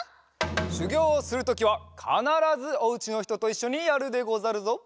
しゅぎょうをするときはかならずおうちのひとといっしょにやるでござるぞ！